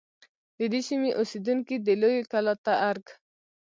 د دې سیمې اوسیدونکي دی لویې کلا ته ارگ